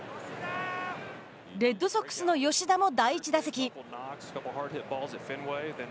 レッドソックスの吉田も第１打席。